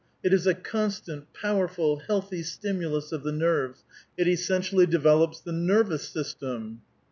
It is a constant, powerful, healthy stimulus of the nerves ; it essentially develops the nervous system!"